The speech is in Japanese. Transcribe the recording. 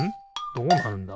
どうなるんだ？